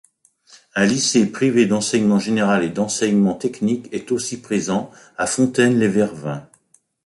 Un lycée privé d'enseignement général et d'enseignement technique est aussi présent à Fontaine-lès-Vervins.